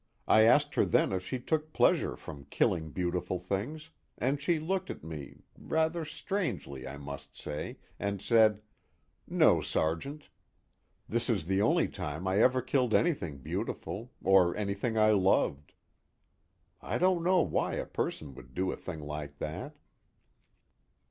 I asked her then if she took pleasure from killing beautiful things, and she looked at me rather strangely, I must say and said: 'No, Sergeant, this is the only time I ever killed anything beautiful, or anything I loved.' I don't know why a person would do a thing like that."